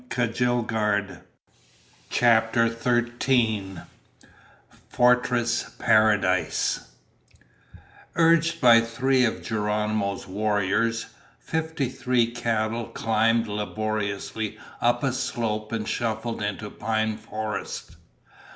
CHAPTER THIRTEEN Fortress Paradise Urged by three of Geronimo's warriors, fifty three cattle climbed laboriously up a slope and shuffled into pine forest.